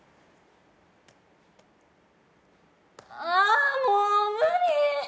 あ、もう無理！